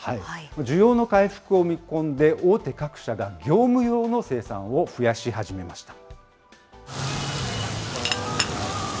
需要の回復を見込んで、大手各社が業務用の生産を増やし始めました。